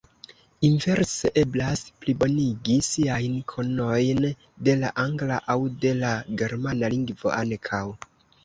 Inverse eblas plibonigi siajn konojn de la angla aŭ de la germana lingvo ankaŭ.